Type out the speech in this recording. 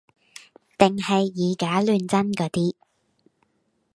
定係以假亂真嗰啲